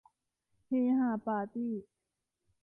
เฮฮาปาร์ตี้